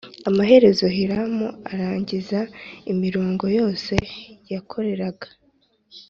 Amaherezo Hiramu arangiza imirimo yose yakoreraga